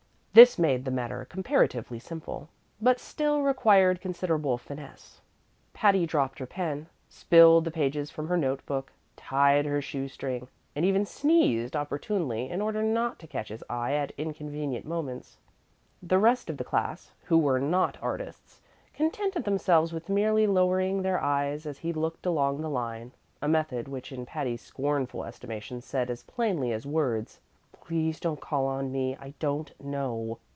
This made the matter comparatively simple, but still required considerable finesse. Patty dropped her pen, spilled the pages from her note book, tied her shoe string, and even sneezed opportunely in order not to catch his eye at inconvenient moments. The rest of the class, who were not artists, contented themselves with merely lowering their eyes as he looked along the line a method which in Patty's scornful estimation said as plainly as words, "Please don't call on me; I don't know."